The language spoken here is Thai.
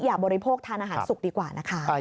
บริโภคทานอาหารสุกดีกว่านะคะ